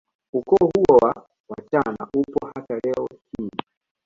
Ukoo huo wa washana upo hata leo hii